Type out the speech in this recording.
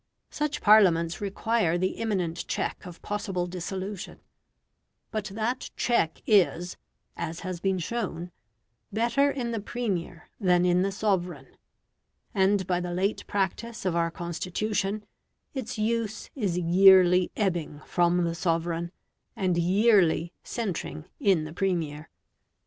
Such Parliaments require the imminent check of possible dissolution; but that check is (as has been shown) better in the Premier than in the sovereign; and by the late practice of our constitution, its use is yearly ebbing from the sovereign, and yearly centring in the Premier.